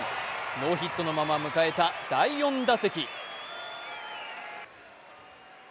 ノーヒットのまま迎えた第４打席。